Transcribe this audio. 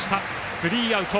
スリーアウト。